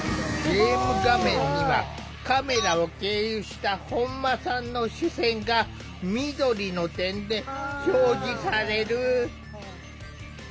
ゲーム画面にはカメラを経由した本間さんの視線が緑の点で表示される。